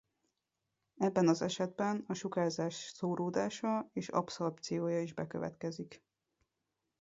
Ebben az esetben a sugárzás szóródása és abszorpciója is bekövetkezik.